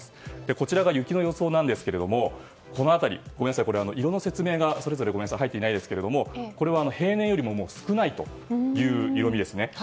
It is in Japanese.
こちらが雪の予想なんですけども色の説明が入っていませんがこれは、平年よりも少ないという色味ですね。